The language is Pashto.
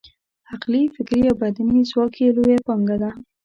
عقلي، فکري او بدني ځواک یې لویه پانګه ده.